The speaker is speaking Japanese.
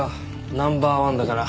ナンバーワンだから。